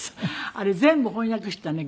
あれ全部翻訳していたらね